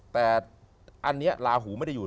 แต่อันนี้ลาหูไม่ได้อยู่